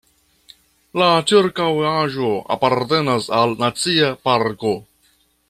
La ĉirkaŭaĵo apartenas al Nacia parko.